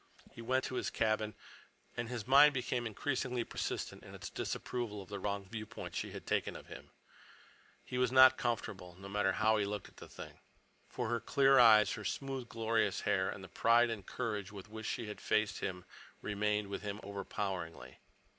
He went to his cabin, and his mind became increasingly persistent in its disapproval of the wrong viewpoint she had taken of him. He was not comfortable, no matter how he looked at the thing. For her clear eyes, her smoothly glorious hair, and the pride and courage with which she had faced him remained with him overpoweringly.